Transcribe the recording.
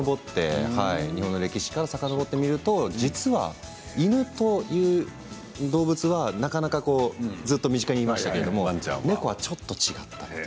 歴史からさかのぼってみると実は犬という動物はずっと身近にいましたけれども猫はちょっと違ったと。